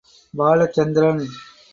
Balachandran.